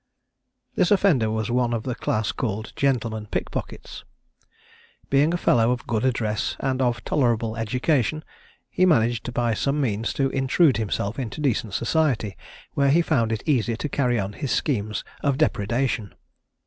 This offender was one of the class called "gentlemen pickpockets." Being a fellow of good address, and of tolerable education, he managed by some means to intrude himself into decent society, where he found it easy to carry on his schemes of depredation.